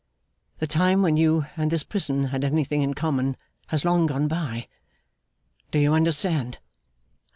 The time when you and this prison had anything in common has long gone by. Do you understand?